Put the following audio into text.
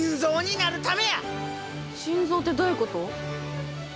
心臓ってどういうこと？